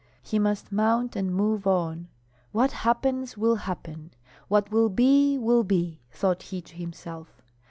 He must mount and move on. "What happens, will happen. What will be, will be!" thought he to himself.